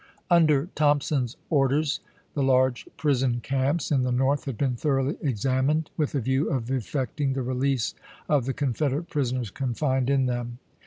Under Thompson's orders the large prison camps in the North had been thoroughly examined, with a view of effecting the release of the Confederate prisoners confined in them.